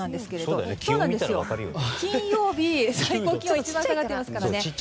金曜日、最高気温一番下がっていますからね。